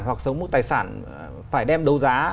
hoặc số mức tài sản phải đem đấu giá